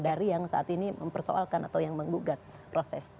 dari yang saat ini mempersoalkan atau yang menggugat proses